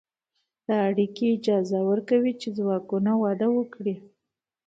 دا اړیکې اجازه ورکوي چې ځواکونه وده وکړي.